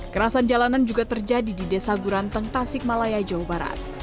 kerasan jalanan juga terjadi di desa guranteng tasik malaya jawa barat